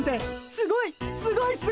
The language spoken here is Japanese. すごいすごい！